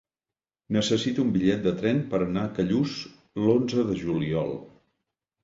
Necessito un bitllet de tren per anar a Callús l'onze de juliol.